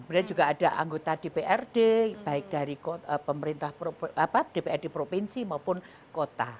kemudian juga ada anggota dprd baik dari pemerintah dprd provinsi maupun kota